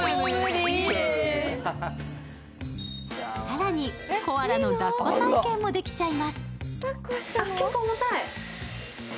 更に、コアラのだっこ体験もできちゃいます。